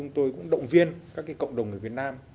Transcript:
tôi cũng động viên các cộng đồng người việt nam